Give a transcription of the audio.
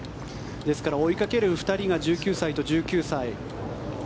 ですから、追いかける２人が１９歳と１９歳。